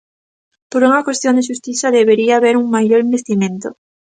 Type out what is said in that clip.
Por unha cuestión de xustiza, debería haber un maior investimento.